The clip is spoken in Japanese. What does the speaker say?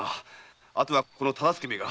あとはこの忠相めが。